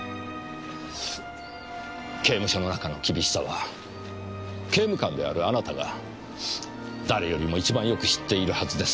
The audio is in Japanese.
刑務所の中の厳しさは刑務官であるあなたが誰よりも一番よく知っているはずです。